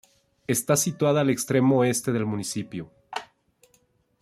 Está situada en el extremo oeste del municipio.